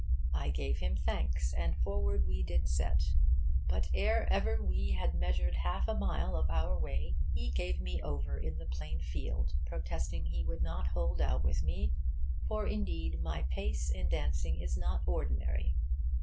I gave him thankes, and forward wee did set; but ere ever wee had measur'd halfe a mile of our way, he gave me over in the plain field, protesting he would not hold out with me; for, indeed, my pace in dauncing is not ordinary.